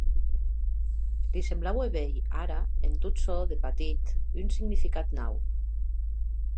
Li semblaue veir, ara, en tot çò de patit un significat nau.